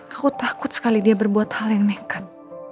aku takut sekali dia berbuat hal yang nekat